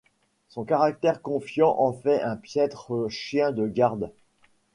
Son caractère confiant en fait un piètre chien de garde.